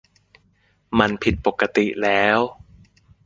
มันผิดปกติแล้ว